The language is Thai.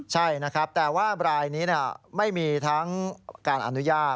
ใช่นะครับแต่ว่ารายนี้ไม่มีทั้งการอนุญาต